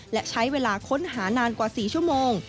และใช้เวลาค้นหานานกว่า๔ชั่วโมง